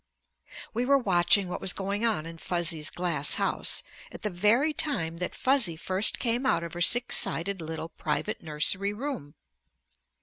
We were watching what was going on in Fuzzy's glass house at the very time that Fuzzy first came out of her six sided little private nursery room.